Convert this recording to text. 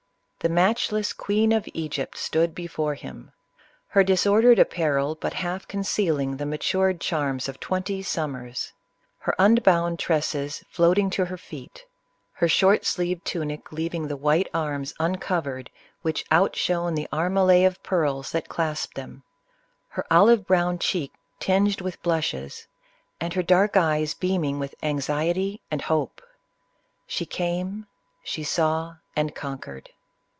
The match less queen of Egypt stood before him ; her disordered apparel but half concealing the matured charms of twenty summers ; her unbound tresses floating to her feet ; her short sleeved tunic leaving the white arms uncovered which outshone the armillae of pearls that clasped them ; her olive brown cheek tinged with blushes, and her dark eyes beaming with anxiety and hope. She came, — she saw, and conquered.